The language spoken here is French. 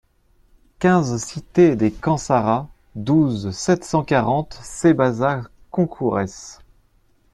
quinze cité des Camps Sarrats, douze, sept cent quarante, Sébazac-Concourès